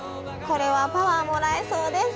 これはパワーをもらえそうです！